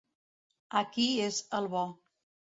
Aquí és el bo.